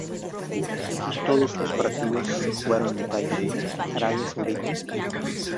Todos los partidos se jugaron en Taif, Arabia Saudita.